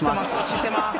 知ってまーす。